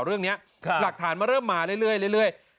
เรื่องนี้หลักฐานมันเริ่มมาเรื่อย